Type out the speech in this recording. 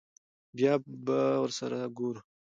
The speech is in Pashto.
بيا به ور سره ګورو.